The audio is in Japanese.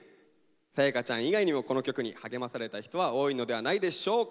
さやかちゃん以外にもこの曲に励まされた人は多いのではないでしょうか。